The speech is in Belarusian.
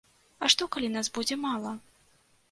А што калі нас будзе мала?